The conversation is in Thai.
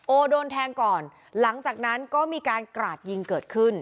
โดนแทงก่อนหลังจากนั้นก็มีการกราดยิงเกิดขึ้น